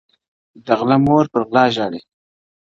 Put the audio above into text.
o د غله مور په غلا ژاړي٫